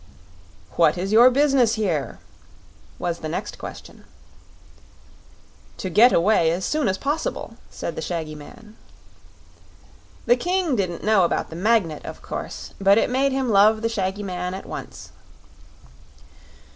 "What is your business here?" was the next question. "To get away as soon as possible," said the shaggy man. The King didn't know about the Magnet, of course; but it made him love the shaggy man at once.